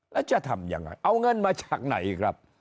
แล้วจะทำยังไงเอาเงินมาจากไหนครับ